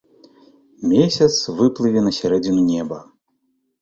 Месяц выплыве на сярэдзіну неба.